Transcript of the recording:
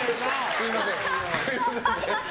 すみません。